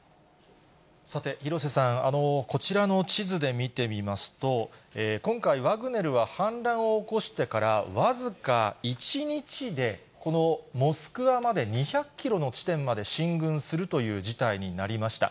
さて、廣瀬さん、こちらの地図で見てみますと、今回、ワグネルは反乱を起こしてから僅か１日で、このモスクワまで２００キロの地点まで進軍するという事態になりました。